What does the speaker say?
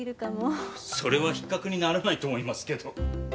それは比較にならないと思いますけど。